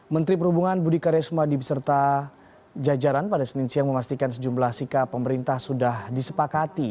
menteri perhubungan budi karya sumadi beserta jajaran pada senin siang memastikan sejumlah sikap pemerintah sudah disepakati